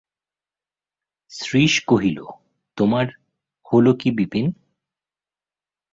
শ্রীশ কহিল, তোমার হল কী বিপিন?